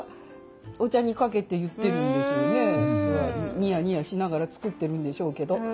ニヤニヤしながら作ってるんでしょうけど。